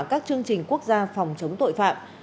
các chương trình quốc gia phòng chống tội phạm